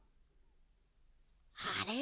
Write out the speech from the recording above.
あれ？